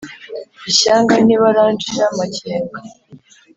Ishyanga ntibaranshira amakenga